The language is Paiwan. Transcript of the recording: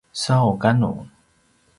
sau kanu